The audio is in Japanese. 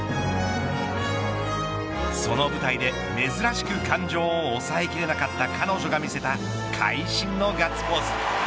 その舞台で、珍しく感情を抑え切れなかった彼女が見せた会心のガッツポーズ。